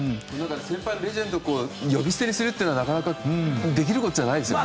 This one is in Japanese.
先輩、レジェンドを呼び捨てにするのはできることじゃないですよね。